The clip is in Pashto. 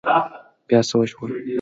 بيا څه وشول؟